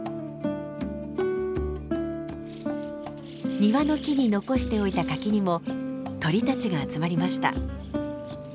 庭の木に残しておいた柿にも鳥たちが集まりました。